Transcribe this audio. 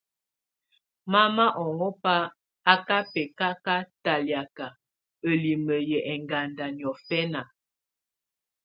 Mama ɔŋɔ́ba á ká bɛcaca talɛ̀áka, ǝlimǝ yɛ̀ ɛŋganda niɔfɛna.